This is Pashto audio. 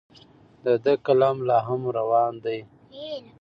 د ده قلم لا هم روان دی.